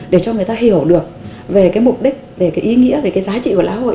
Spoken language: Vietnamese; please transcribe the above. để cho người ta hiểu được về cái mục đích về cái ý nghĩa về cái giá trị của xã hội